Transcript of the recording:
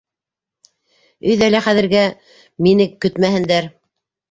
Өйҙә лә хәҙергә мине көтмәһендәр.